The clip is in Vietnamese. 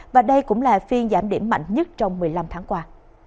và đây cũng là phiên giảm điểm mạnh nhất trong một mươi năm tháng qua